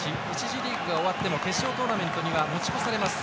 １次リーグが終わっても決勝トーナメントには持ち越されます。